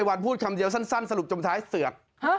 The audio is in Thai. วันพูดคำเดียวสั้นสรุปจมท้ายเสือก